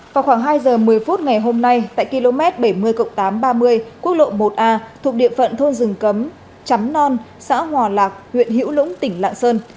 vào khoảng hai giờ một mươi phút ngày hôm nay tại km bảy mươi tám trăm ba mươi quốc lộ một a thuộc địa phận thôn rừng cấm chắm non xã hòa lạc huyện hữu lũng tỉnh lạng sơn